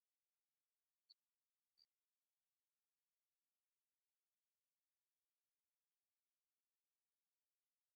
mkulima anaweza kutumia vijiti jembe au rato kadri vinavyohitajika kaika uvunaji viazi